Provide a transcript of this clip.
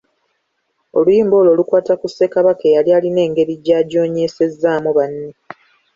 Oluyimba olwo lukwata ku Ssekabaka eyali alina engeri gy’ajoonyesezzaamu banne